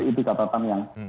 itu katatan yang